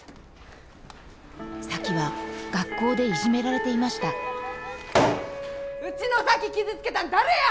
咲妃は学校でいじめられていましたうちの咲妃傷つけたん誰や！